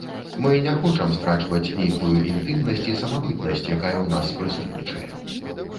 Мы не хочам страчваць нейкую інтымнасць і самабытнасць, якая ў нас прысутнічае.